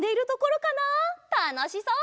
たのしそう！